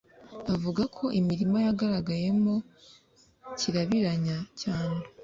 Avuga ko imirima yagaragayemo kirabiranya cyane